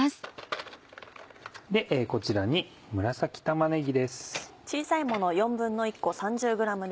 こちらに紫玉ねぎです。